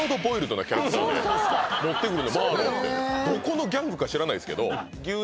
どこのギャングか知らないですけど。